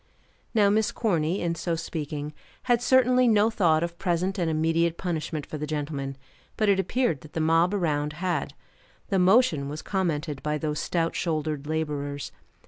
Now Miss Corny, in so speaking, had certainly no thought of present and immediate punishment for the gentleman; but it appeared that the mob around had. The motion was commented by those stout shouldered laborers.